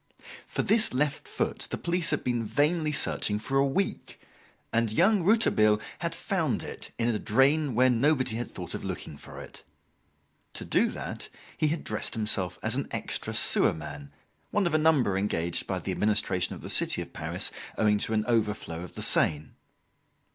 For this left foot the police had been vainly searching for a week, and young Rouletabille had found it in a drain where nobody had thought of looking for it. To do that he had dressed himself as an extra sewer man, one of a number engaged by the administration of the city of Paris, owing to an overflow of the Seine.